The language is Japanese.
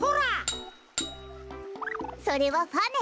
それはファね。